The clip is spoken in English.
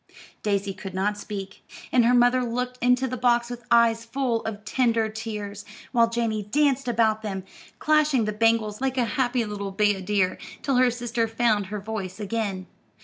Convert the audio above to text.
Daisy could not speak, and her mother looked into the box with eyes full of tender tears, while Janey danced about them, clashing the bangles like a happy little bayadere, till her sister found her voice again.